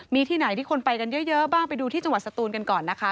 มีที่ไหนที่คนไปกันเยอะบ้างไปดูที่จังหวัดสตูนกันก่อนนะคะ